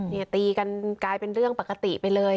ตีกันกลายเป็นเรื่องปกติไปเลย